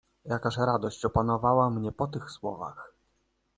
"Jakaż radość opanowała mnie po tych słowach!"